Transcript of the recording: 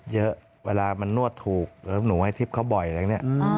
เยอะเวลามันนวดถูกหนูให้ทิศเขาบ่อยแล้วนี่